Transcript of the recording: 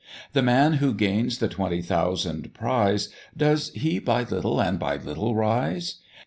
The man who gains the twenty thousand prize, Does he by little and by little rise?